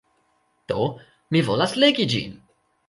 Do, mi volas legi ĝin!